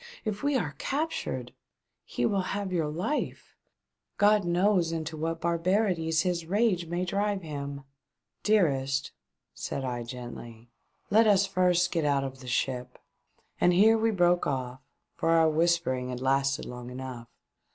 If we are captured — he will have your life ' God knows into what barbarities his rage may drive him !"" Dearest," said I, gently, " let us first get out of the ship." And here we broke off, for our whispering had lasted long enough.